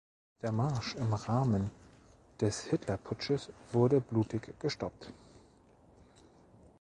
Der Marsch im Rahmen des Hitlerputsches wurde blutig gestoppt.